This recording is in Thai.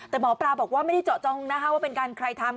แต่หมอปลาบอกว่าไม่ได้เจาะจงนะคะว่าเป็นการใครทำ